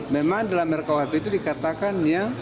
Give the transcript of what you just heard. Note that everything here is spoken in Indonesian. memang dalam rkuhp itu dikatakan ya